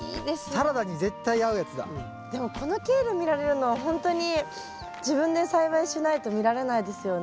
でもこのケール見られるのはほんとに自分で栽培しないと見られないですよね。